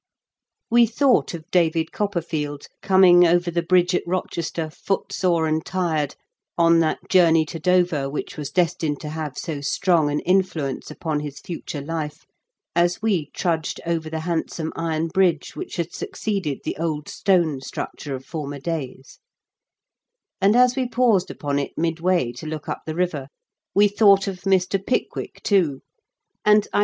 We thought of David Copperfield, " coming over the bridge at Rochester, footsore and tired/' on that journey to Dover which was destined to have so strong an influence upon his future life, as we trudged over the hand some iron bridge which has succeeded the old stone structure of former days; and, as we paused upon it midway to look up the river, we thought of Mr. Pickwick too, and I 42 IN KENT WITH CHABLE8 DICKENS.